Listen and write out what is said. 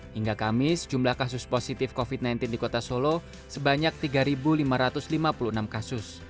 hingga kamis jumlah kasus positif covid sembilan belas di kota solo sebanyak tiga lima ratus lima puluh enam kasus